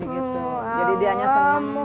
jadi dia hanya seneng